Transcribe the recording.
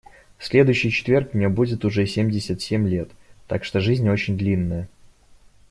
В следующий четверг мне будет уже семьдесят семь лет, так что жизнь очень длинная.